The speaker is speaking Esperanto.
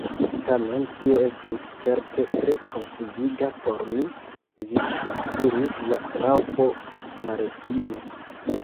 "Tamen tio estus certe tre konfuziga por mi!" "Vi!" diris la Raŭpo malestime ".